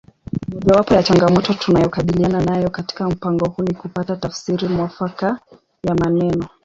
Mojawapo ya changamoto tunayokabiliana nayo katika mpango huu ni kupata tafsiri mwafaka ya maneno